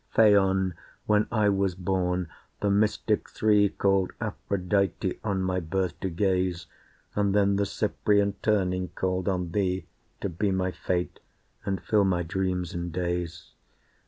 Phaon! when I was born, the mystic three Called Aphrodite on my birth to gaze, And then the Cyprian, turning, called on thee To be my fate and fill my dreams and days.